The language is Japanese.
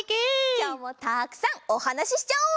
きょうもたくさんおなはししちゃおう！